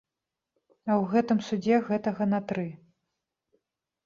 А ў гэтым судзе гэтага на тры.